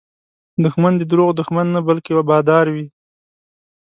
دښمن د دروغو دښمن نه، بلکې بادار وي